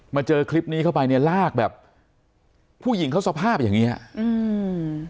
เจอคลิปนี้เข้าไปเนี่ยลากแบบผู้หญิงเขาสภาพอย่างเงี้ยอืม